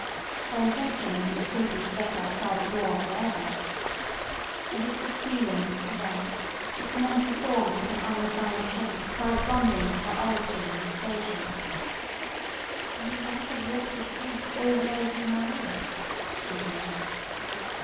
Her intention had been simply to get outside the door for ever. And if this feeling was correct, its mental form took an unrefined shape corresponding to her origin and station. "I would rather walk the streets all the days of my life," she thought.